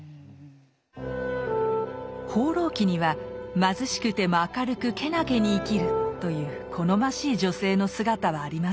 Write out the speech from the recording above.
「放浪記」には「貧しくても明るくけなげに生きる」という好ましい女性の姿はありません。